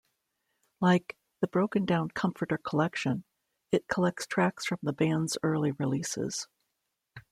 Like "The Broken Down Comforter Collection", it collects tracks from the band's early releases.